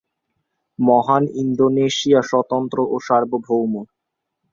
মহান ইন্দোনেশিয়া, স্বতন্ত্র এবং সার্বভৌম!